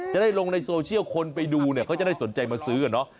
จะได้ลงในโซเชียลคนไปดูเค้าจะได้สนใจมาซื้ออย่างน้อย